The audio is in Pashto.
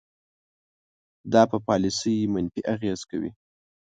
دا په پالیسۍ منفي اغیز کوي.